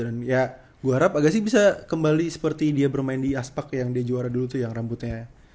dan ya gua harap agassi bisa kembali seperti dia bermain di aspak yang dia juara dulu tuh yang rambutnya